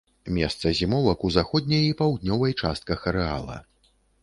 Месца зімовак у заходняй і паўднёвай частках арэала.